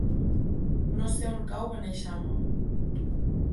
No sé on cau Beneixama.